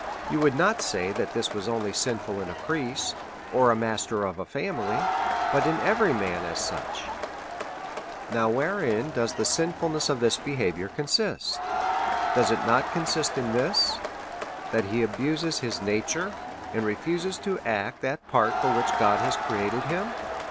You would not say that this was only sinful in a priest, or a master of a family, but in every man as sucIl Now, wherein does the sinfulness of ihis behaviour consist? Does it not consist in this, that he abuses his nature, and refuses to act that part for which God had created him?